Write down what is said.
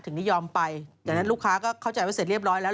นิยมไปจากนั้นลูกค้าก็เข้าใจว่าเสร็จเรียบร้อยแล้ว